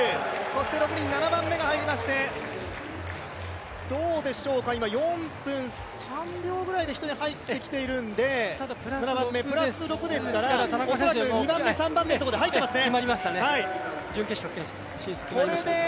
そして７番目が入りまして、どうでしょうか、今４分３秒ぐらいで１人入っているのでプラス６ですから田中選手はもう、２番目３番目のところで入っていますね。